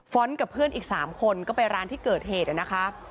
กับเพื่อนอีก๓คนก็ไปร้านที่เกิดเหตุนะคะ